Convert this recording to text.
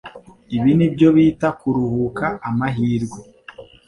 Ibi nibyo bita kuruhuka amahirwe.